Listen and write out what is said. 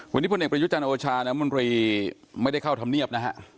วันนี้พ่อเน็ตประยุทธจันทร์โอชานะมันเลยไม่ได้เข้าธรรมเนียบนะฮะ